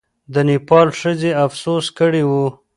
د نېپال ښځې افسوس کړی وو.